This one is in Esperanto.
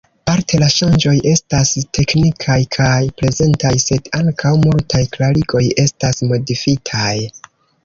Parte la ŝanĝoj estas teknikaj kaj prezentaj, sed ankaŭ multaj klarigoj estas modifitaj.